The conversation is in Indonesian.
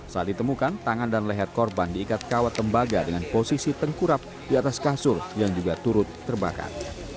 saat ditemukan tangan dan leher korban diikat kawat tembaga dengan posisi tengkurap di atas kasur yang juga turut terbakar